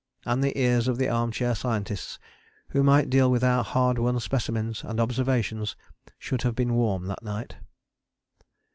And the ears of the armchair scientists who might deal with our hard won specimens and observations should have been warm that night.